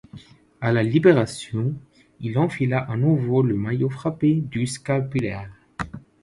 À la Libération, il enfila à nouveau le maillot frappé du scapulaire.